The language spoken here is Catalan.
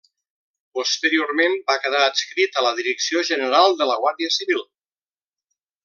Posteriorment va quedar adscrit a la Direcció general de la Guàrdia Civil.